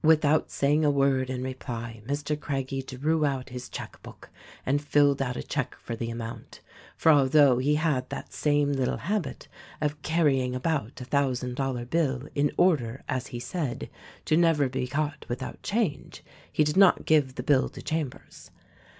Without saying a word in reply Mr. Craggie drew out THE RECORDING ANGEL 153 his check book and filled out a check for the amount ; for although he had that same little habit of carrying about a thousand dollar bill in order, as he said, to never be caught without change, he did not give the bill to Chambers.